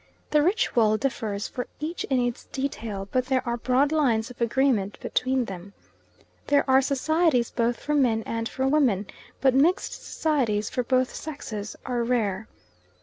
The ritual differs for each in its detail, but there are broad lines of agreement between them. There are societies both for men and for women, but mixed societies for both sexes are rare.